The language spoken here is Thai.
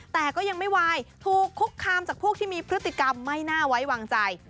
แต่ก็ยังไม่วายถูกคุกคามจากพวกที่มีพฤติกรรมไม่น่าไว้วางใจ